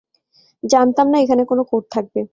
জানতাম না এখানে কোনো কোড থাকবে।